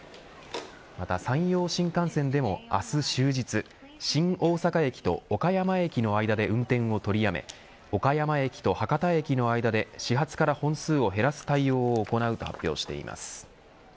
また、山陽新幹線でも明日終日新大阪駅と岡山駅の間で運転を取りやめ岡山駅と博多駅の間で始発から本数を減らす対応を行うと発表しています。